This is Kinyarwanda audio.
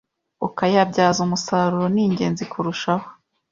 ukayabyaza umusaruro ni ingenzi kurushaho